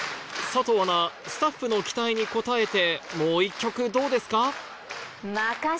・佐藤アナスタッフの期待に応えてもう１曲どうですか？